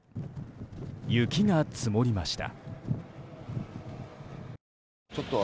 雪が積もりました。